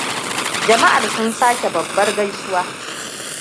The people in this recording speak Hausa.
Jama'ar sun sake babbar gaisuwa.